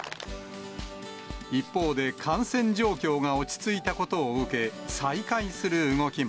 一方で感染状況が落ち着いたことを受け、再開する動きも。